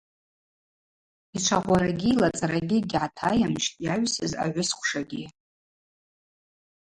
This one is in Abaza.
Йчвагъварагьи йлацӏарагьи гьгӏатайымжьтӏ йагӏвсыз агӏвысквшагьи.